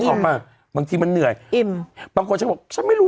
ออกป่ะบางทีมันเหนื่อยอิ่มบางคนฉันบอกฉันไม่รู้